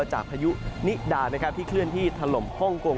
จากพายุนิดาที่เคลื่อนที่ถล่มฮ่องกง